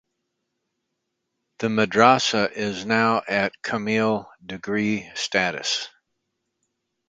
The madrasa is now at Kamil degree status.